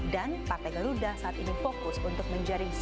dan partai garuda saat ini fokus untuk menjaring suatu